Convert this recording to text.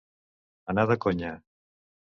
Anar de conya.